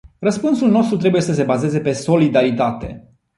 Răspunsul nostru trebuie să se bazeze pe solidaritate.